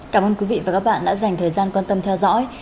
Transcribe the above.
cảm ơn quý vị và các bạn đã dành thời gian quan tâm theo dõi